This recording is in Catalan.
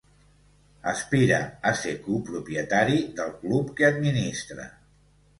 Aspira a ser copropietari del club que administra.